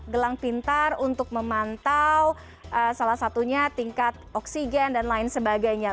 gelang pintar untuk memantau salah satunya tingkat oksigen dan lain sebagainya